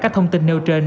các thông tin nêu trên